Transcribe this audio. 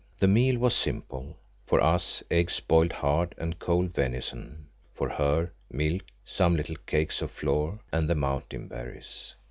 The meal was simple; for us, eggs boiled hard and cold venison; for her, milk, some little cakes of flour, and mountain berries.